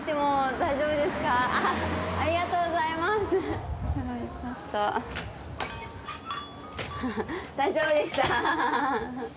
大丈夫でした。